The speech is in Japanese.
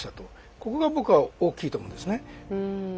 ここが僕は大きいと思うんですね。